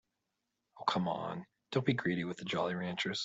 Oh, come on, don't be greedy with the Jolly Ranchers.